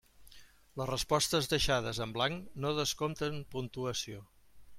Les respostes deixades en blanc no descompten puntuació.